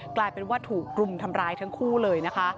กลายเป็นว่าถูกกลุ่มทำร้ายทั้งคู่เลยนะคะ